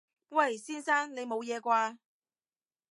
喂！先生！你冇嘢啩？